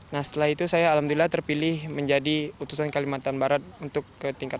nah setelah itu saya alhamdulillah terpilih menjadi utusan kalimantan barat untuk mengikuti tes provinsi kalimantan barat